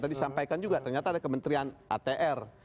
tadi sampaikan juga ternyata ada kementerian atr